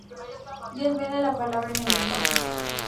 Dios viene a la palabra en el lenguaje.